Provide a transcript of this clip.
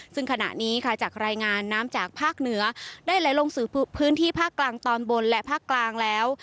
ซึ่งขณะนี้ค่ะจากรายงานน้ำจากภาคเหนือได้ไหลลงสู่พื้นที่ภาคกลางตอนบนและภาคกลางแล้ว